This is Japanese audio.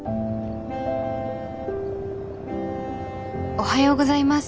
おはようございます。